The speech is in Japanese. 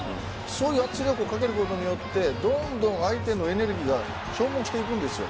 そういう圧力をかけることによってどんどん相手のエネルギーが消耗していくんですよ。